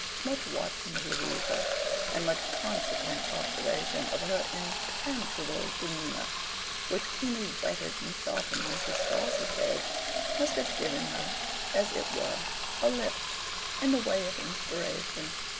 Much watching of Louisa, and much consequent observation of her impenetrable demeanour, which keenly whetted and sharpened Mrs. Sparsit's edge, must have given her as it were a lift, in the way of inspiration.